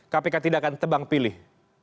kpk tidak akan tebang pilih